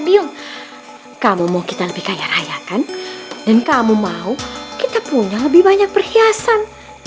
bilang kamu mau kita lebih kaya raya kan dan kamu mau kita punya lebih banyak perhiasan